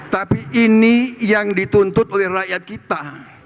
tapi ini yang dituntut oleh rakyat kita